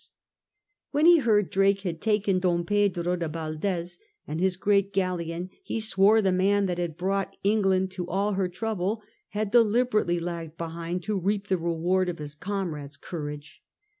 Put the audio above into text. When he heard Drake had taken Don Pedro de Yaldes and his great galleon, he sworje the man that had brought England to all her trouble had deliberately lagged behind to reap the reward of his comrades' courage.